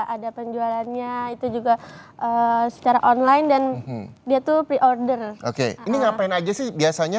ada penjualannya itu juga secara online dan dia tuh pre order oke ini ngapain aja sih biasanya